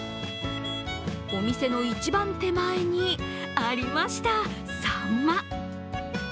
お店の一番手前に、ありました、サンマ。